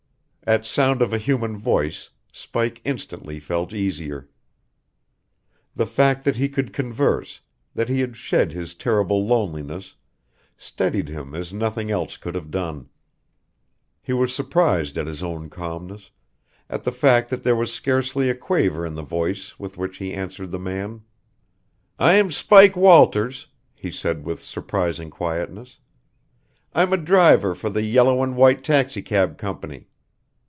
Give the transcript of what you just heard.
At sound of a human voice, Spike instantly felt easier. The fact that he could converse, that he had shed his terrible loneliness, steadied him as nothing else could have done. He was surprised at his own calmness, at the fact that there was scarcely a quaver in the voice with which he answered the man. "I'm Spike Walters," he said with surprising quietness. "I'm a driver for the Yellow and White Taxicab Company.